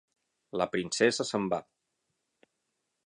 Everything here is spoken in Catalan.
La princesa se'n va.